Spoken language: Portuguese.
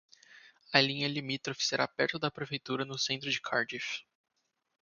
A linha limítrofe será perto da Prefeitura no centro de Cardiff.